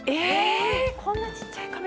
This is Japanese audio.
こんな小っちゃいカメ